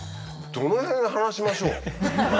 どの辺話しましょう？